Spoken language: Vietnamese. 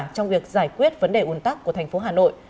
trong việc giải quyết vấn đề ồn tắc của thành phố hà nội